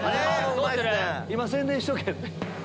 今宣伝しとけ。